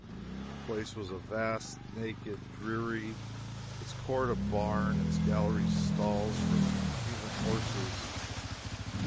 The place was vast, naked, dreary; its court a barn, its galleries stalls for human horses.